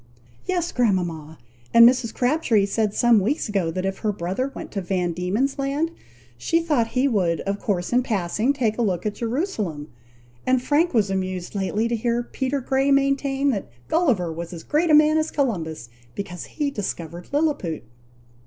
"Yes, grandmama! and Mrs. Crabtree said some weeks ago, that if her brother went to Van Dieman's Land, she thought he would of course in passing, take a look at Jerusalem; and Frank was amused lately to hear Peter Grey maintain, that Gulliver was as great a man as Columbus, because he discovered Liliput!"